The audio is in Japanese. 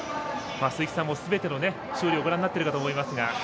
鈴木さんもすべての勝利ご覧になっていると思います。